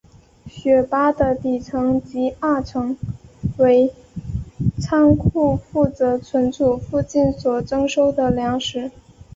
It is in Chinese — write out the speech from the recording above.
雪巴的底层及二层为仓库负责存储附近所征收的粮食。